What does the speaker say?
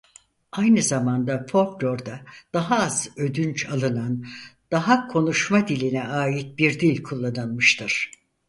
Aynı zamanda folklorda daha az ödünç alınan daha konuşma diline ait bir dil kullanılmıştır.